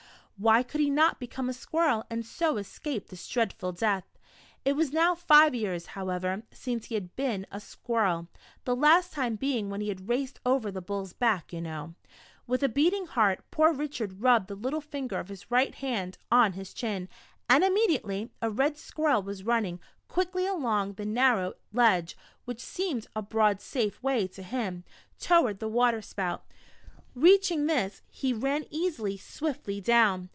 Why could he not become a squirrel, and so escape this dreadful death ? It was now five years, however, since he had been a squirrel, the last time being when he had raced over the bull's back, you know. ^^'ith a beating heart, poor Richard rubbed the little finsjer of his ridit hand on his chin, and /;;/ mediately a red squirrel was running quickly along the narrow ledge (which seemed a broad safe way to him) toward the water spout ! Reaching this, he ran easily, swiftly down.